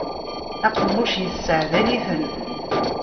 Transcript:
Aqemmuc isseɛdal-iten.